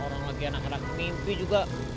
orang lagi anak anak mimpi juga